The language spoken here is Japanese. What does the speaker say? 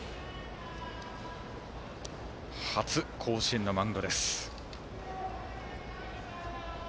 初甲子園のマウンドです。